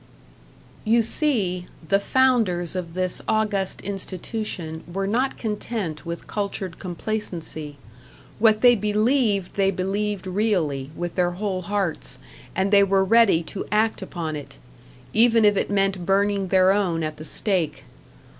You see, the founders of this august institution were not content with cultured complacency; what they believed they believed really, with their whole hearts, and they were ready to act upon it, even if it meant burning their own at the stake.